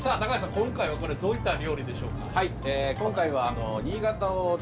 今回はこれどういった料理でしょうか？